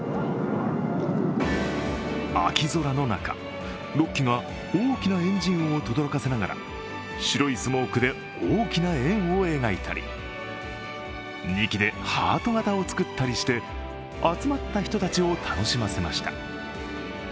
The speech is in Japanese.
秋空の中、６機が大きなエンジン音をとどろかせながら白いスモークで大きな円を描いたり２機でハード型を作ったりして、集まった人たちを楽しませました。